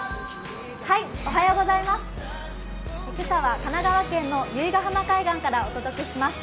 今朝は神奈川県の由比ヶ浜海岸からお届けします。